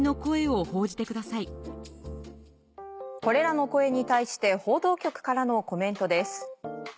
これらの声に対して報道局からのコメントです。